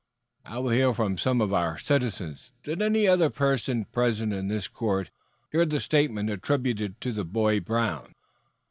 I will hear from some of our citizens. Did any other person present in this court hear the statements attributed to the boy Brown?"